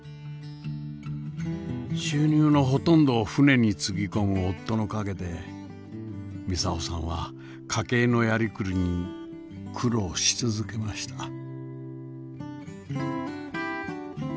収入のほとんどを船につぎ込む夫の陰で操さんは家計のやりくりに苦労し続けました。